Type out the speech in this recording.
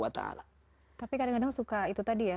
tapi kadang kadang suka itu tadi ya